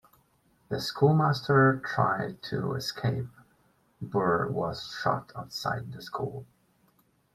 The schoolmaster tried to escape bur was shot outside the school.